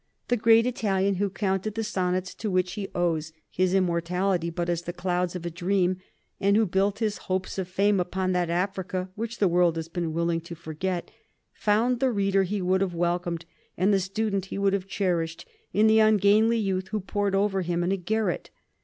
The great Italian who counted the sonnets to which he owes his immortality but as the clouds of a dream, and who built his hopes of fame upon that "Africa" which the world has been willing to forget, found the reader he would have welcomed and the student he would have cherished in the ungainly youth who pored over him in a garret.